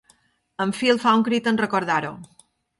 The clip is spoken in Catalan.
En Phil fa un crit en recordar-ho.